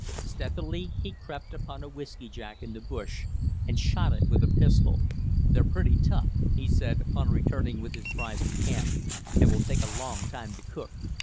Stealthily he crept upon a whiskey jack in the bush and shot it with a pistol. "They're pretty tough," he said, upon returning with his prize to camp, "and will take a long time to cook."